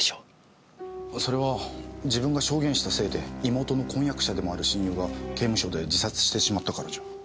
それは自分が証言したせいで妹の婚約者でもある親友が刑務所で自殺してしまったからじゃ。